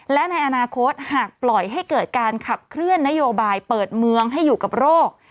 และในอนาคตหากปล่อยให้เกิดการขับเคลื่อนนโยบายเปิดเมืองให้อยู่กับโรค